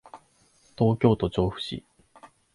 東京都調布市